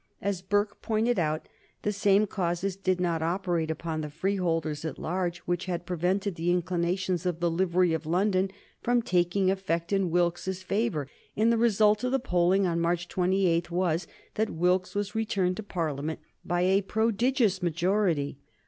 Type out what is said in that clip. As Burke pointed out, the same causes did not operate upon the freeholders at large which had prevented the inclinations of the livery of London from taking effect in Wilkes's favor, and the result of the polling on March 28 was that Wilkes was returned to Parliament by a prodigious majority.